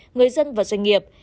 người dân và doanh nghiệp